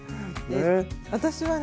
私はね